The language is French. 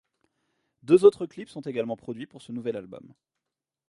Deux autres clips sont également produits pour ce nouvel album.